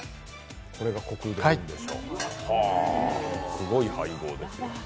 すごい配合ですよ。